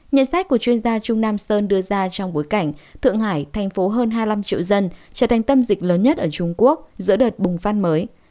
nhận xét của chuyên gia trung nam sơn đưa ra trong bối cảnh thượng hải thành phố hơn hai mươi năm triệu dân trở thành tâm dịch lớn nhất ở trung quốc giữa đợt bùng phát mới